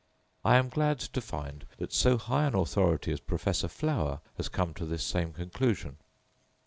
I am glad to find that so high an authority as Professor Flower has come to this same conclusion.